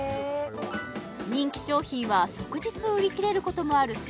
人気商品は即日売り切れることもある３